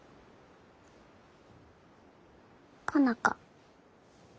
佳奈花。